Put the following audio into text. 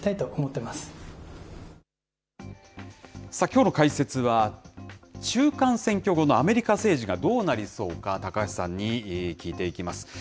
きょうの解説は、中間選挙後のアメリカ政治がどうなりそうか、高橋さんに聞いていきます。